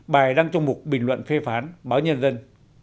bài đăng trong một bình luận phê phán báo nhân dân